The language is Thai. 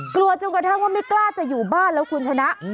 กลัวจนกระทั่งว่าไม่กล้าจะอยู่บ้านแล้วคุณชนะ